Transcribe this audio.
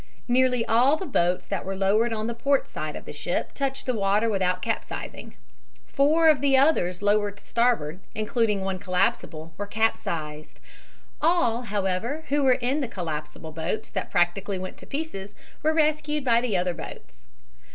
Nearly all the boats that were lowered on the port side of the ship touched the water without capsizing. Four of the others lowered to starboard, including one collapsible, were capsized. All, however, who were in the collapsible boats that practically went to pieces, were rescued by the other boats.